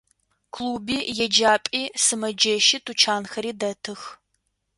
Клуби, еджапӏи, сымэджэщи, тучанхэри дэтых.